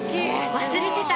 忘れてた！